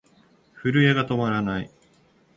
震えが止まらない。